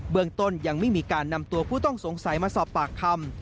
เมืองต้นยังไม่มีการนำตัวผู้ต้องสงสัยมาสอบปากคำ